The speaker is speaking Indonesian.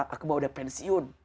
aku mau udah pensiun